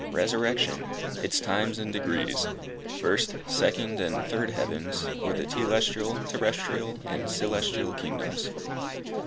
RESURRECTION, ITS TIMES AND DEGREES FIRST, SECOND AND THIRD HEAVENS, OR THE TELESTIAL, TERRESTRIAL AND CELESTIAL KINGDOMS.